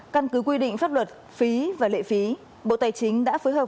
căn cứ quy định pháp luật phí và lệ phí bộ tài chính đã phối hợp